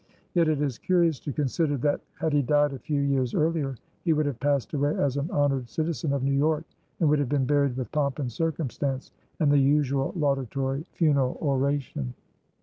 Yet it is curious to consider that, had he died a few years earlier, he would have passed away as an honored citizen of New York and would have been buried with pomp and circumstance and the usual laudatory funeral oration.